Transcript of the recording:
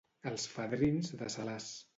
Els fadrins de Salàs.